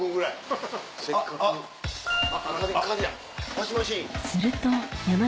もしもし。